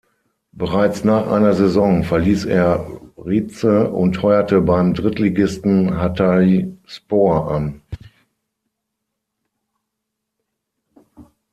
Bereits nach einer Saison verließ er Rize und heuerte beim Drittligisten Hatayspor an.